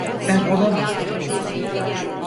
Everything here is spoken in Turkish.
Ben olamam.